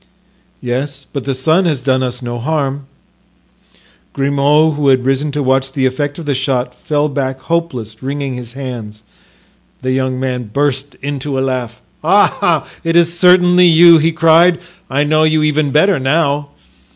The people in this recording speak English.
"Yes, but the son has done us no harm." Grimaud, who had risen to watch the effect of the shot, fell back hopeless, wringing his hands. The young man burst into a laugh. "Ah, it is certainly you!" he cried. "I know you even better now."